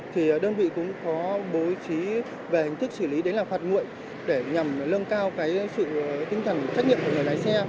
thì đơn vị cũng có bố trí về hình thức xử lý đấy là phạt nguội để nhằm lưng cao cái sự tinh thần trách nhiệm của người lái xe